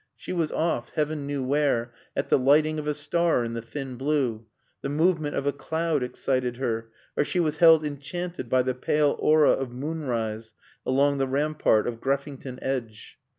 She was off, Heaven knew where, at the lighting of a star in the thin blue; the movement of a cloud excited her; or she was held enchanted by the pale aura of moonrise along the rampart of Greffington Edge.